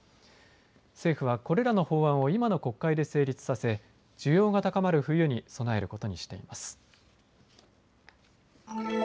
政府はこれらの法案を今の国会で成立させ需要が高まる冬に備えることにしています。